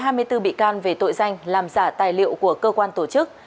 khởi tố đối với hai mươi bốn bị can về tội danh làm giả tài liệu của cơ quan tổ chức